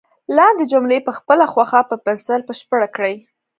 لاندې جملې په خپله خوښه په پنسل بشپړ کړئ.